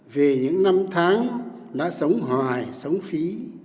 vì những năm tháng đã sống hoài sống phí